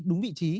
đúng vị trí